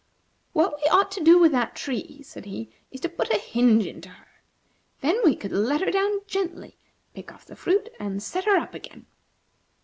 "What we ought to do with that tree," said he, "is to put a hinge into her. Then we could let her down gently, pick off the fruit, and set her up again.